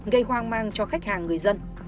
gây hoang mang cho khách hàng người dân